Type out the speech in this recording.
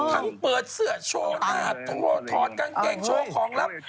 ทั้งเปิดเสื้อช่วงอาบถอดกางเจงช่วงของรับ